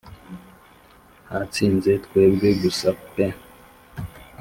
hatsinze twebwe gusa pe